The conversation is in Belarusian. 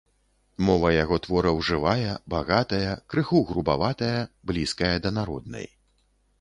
Мова яго твораў жывая, багатая, крыху грубаватая, блізкая да народнай.